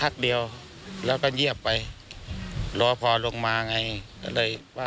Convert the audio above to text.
ขึ้นไปไปอยู่หน้าห้องแล้ว